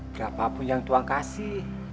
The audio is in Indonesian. berapa pun yang tuan kasih